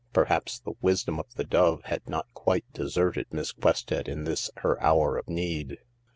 Perhaps the wisdom of the dove had not quite deserted Miss Quested in this her hour of need.